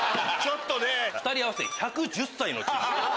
２人合わせて１１０歳。